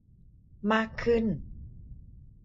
มากขึ้น